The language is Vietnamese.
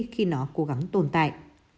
khi nó cố gắng tồn tại